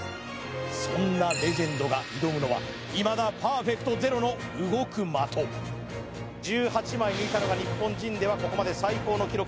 そんなレジェンドが挑むのはいまだパーフェクトゼロの動く的１８枚抜いたのが日本人ではここまで最高の記録